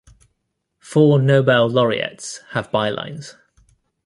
Four Nobel Laureates have bylines.